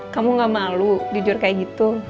kamu gak malu jujur kayak gitu